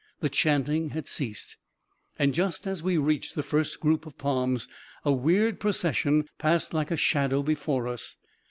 The chanting had ceased •.. And just as we reached the first group of palms, a weird procession passed like a shadow before us.